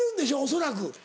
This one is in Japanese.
恐らく。